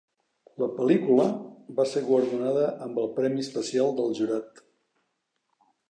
La pel·lícula va ser guardonada amb el Premi Especial del Jurat.